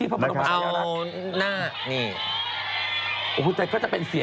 เอาหน้านี่